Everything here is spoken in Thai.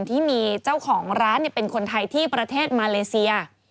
ที่มีเจ้าของร้านเป็นคนไทยที่ประเทศมาเลเซีย